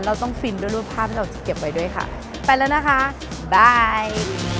เราต้องฟินด้วยรูปภาพที่เราจะเก็บไว้ด้วยค่ะไปแล้วนะคะได้